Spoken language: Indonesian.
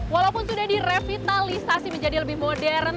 walaupun sudah direvitalisasi menjadi lebih modern